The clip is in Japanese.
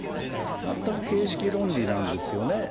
全く形式論理なんですよね。